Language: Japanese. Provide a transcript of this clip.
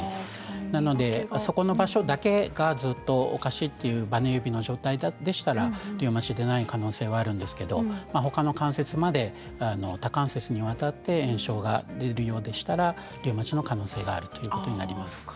なので、そこの場所だけがちょっとおかしいというバネ指の状態でしたらリウマチでない可能性があるんですけれどほかの関節まで多関節にわたって炎症が出るようであればリウマチの可能性があるということであります。